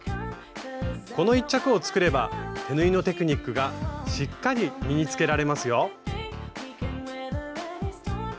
この一着を作れば手縫いのテクニックがしっかり身につけられますよ！